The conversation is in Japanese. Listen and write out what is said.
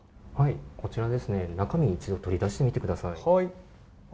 こちらですね、中身を一度、取り出してみてください。